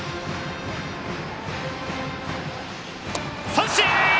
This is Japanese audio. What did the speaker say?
三振！